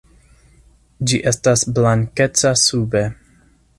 Ĝi estas blankeca sube.